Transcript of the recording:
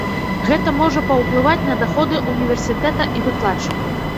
Гэта можа паўплываць на даходы ўніверсітэта і выкладчыкаў.